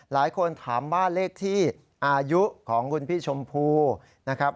หลายคนถามว่าเลขที่อายุของคุณพี่ชมพูนะครับ